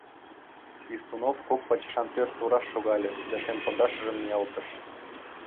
Свистунов кок пачашан пӧрт тураш шогале да шем пондашыжым ниялтыш.